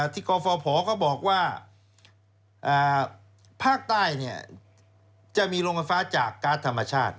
กรฟภเขาบอกว่าภาคใต้จะมีโรงไฟฟ้าจากการ์ดธรรมชาติ